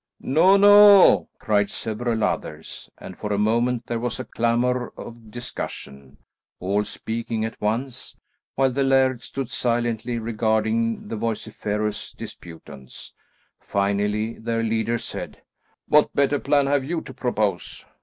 "No, no," cried several others, and for a moment there was a clamour of discussion, all speaking at once, while the laird stood silently regarding the vociferous disputants. Finally their leader said, "What better plan have you to propose?"